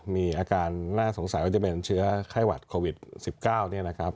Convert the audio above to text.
มีอาการน่าสงสัยว่าจะเป็นเชื้อไข้หวัดโควิด๑๙เนี่ยนะครับ